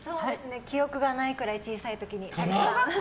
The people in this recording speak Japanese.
記憶がないくらい小さい時に。